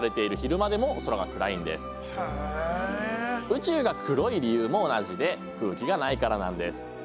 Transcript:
宇宙が黒い理由も同じで空気がないからなんです。